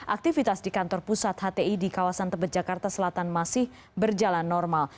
aktivitas di kantor pusat hti di kawasan tebet jakarta selatan masih berjalan normal